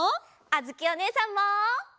あづきおねえさんも。